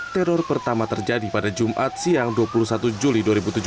teror pertama terjadi pada jumat siang dua puluh satu juli dua ribu tujuh belas